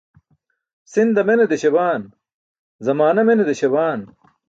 Si̇nda mene deśabaan, zamaana mene désabaan.